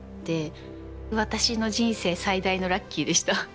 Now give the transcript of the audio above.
私の人生最大のラッキーでした。